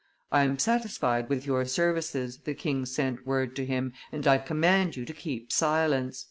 "I am satisfied with your services," the king sent word to him, "and I command you to keep silence."